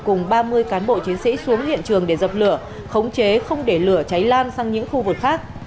cùng ba mươi cán bộ chiến sĩ xuống hiện trường để dập lửa khống chế không để lửa cháy lan sang những khu vực khác